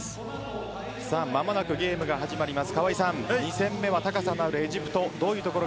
間もなくゲームが始まります。